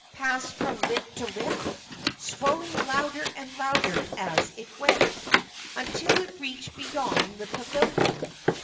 passed from lip to lip, swelling louder and louder as it went, until it reached beyond the pavilion.